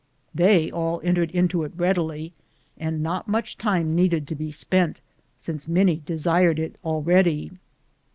They all entered into it readily, and not much time needed to be spent, since many desired it already.